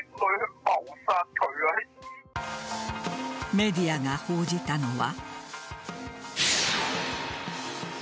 メディアが報じたのは。